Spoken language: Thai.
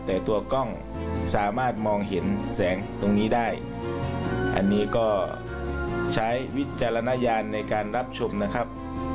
แต่ตัวกล้องสามารถมองเห็นแสงตรงนี้ได้อันนี้ก็ใช้วิจารณญาณในการรับชมนะครับ